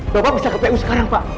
dapat bisa ke pu sekarang pak